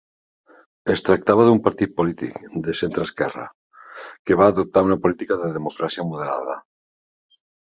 Es tractava d'un partit polític de centreesquerra, que va adoptar una política de democràcia moderada.